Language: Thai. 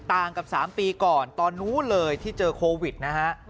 ต่างกับ๓ปีก่อนตอนนู้นเลยที่เจอโควิดนะฮะ